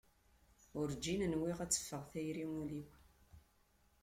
Werǧin nwiɣ ad teffeɣ tayri ul-iw.